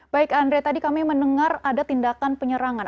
baik andre tadi kami mendengar ada tindakan penyerangan